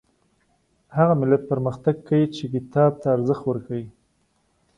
هغه ملت پرمختګ کوي چې کتاب ته ارزښت ورکوي